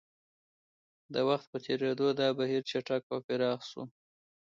د وخت په تېرېدو دا بهیر چټک او پراخ شوی.